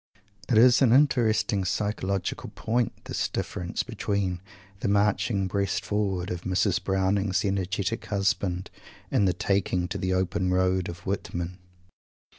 It is an interesting psychological point, this difference between the "marching breast forward" of Mrs. Browning's energetic husband, and the "taking to the open road" of Whitman.